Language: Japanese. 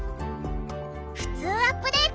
「ふつうアップデート」